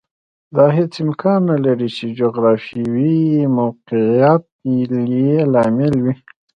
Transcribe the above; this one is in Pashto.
دا هېڅ امکان نه لري چې جغرافیوي موقعیت یې لامل وي